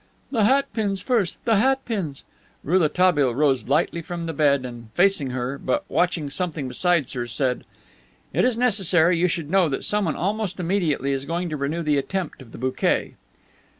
"The hat pins first. The hat pins!" Rouletabille rose lightly from the bed and, facing her, but watching something besides her, said: "It is necessary you should know that someone almost immediately is going to renew the attempt of the bouquet."